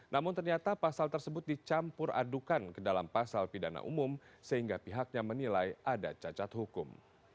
namun ternyata pasal tersebut dicampur adukan ke dalam pasal pidana umum sehingga pihaknya menilai ada cacat hukum